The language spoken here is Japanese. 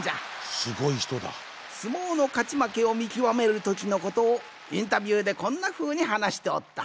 相撲のかちまけをみきわめるときのことをインタビューでこんなふうにはなしておった。